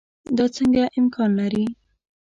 دا څنګه امکان لري.